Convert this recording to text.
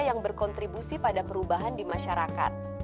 yang berkontribusi pada perubahan di masyarakat